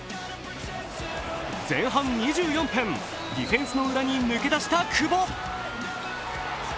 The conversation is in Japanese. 前半２４分、ディフェンスの裏に抜け出した久保。